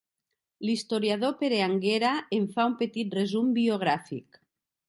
L'historiador Pere Anguera en fa un petit resum biogràfic.